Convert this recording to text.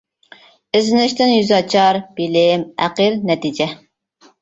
ئىزدىنىشتىن يۈز ئاچار، بىلىم، ئەقىل، نەتىجە.